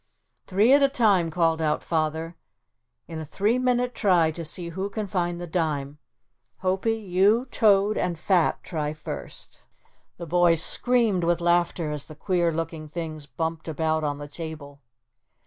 "Three at a time," called out Father, "in a three minute try to see who can find the dime. Hopie, you, Toad and Fat try first." [Illustration: The boys screamed with laughter as the queer looking things bumped about on the table.